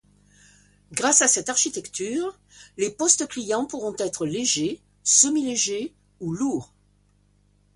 Grâce à cette architecture, les postes clients pourront être légers, semi-légers ou lourds.